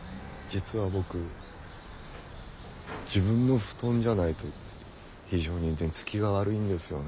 実は僕自分の布団じゃないと非常に寝つきが悪いんですよね。